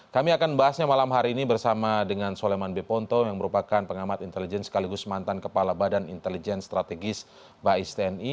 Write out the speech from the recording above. kami akan bahasnya malam hari ini bersama dengan soleman beponto yang merupakan pengamat intelijen sekaligus mantan kepala badan intelijen strategis bais tni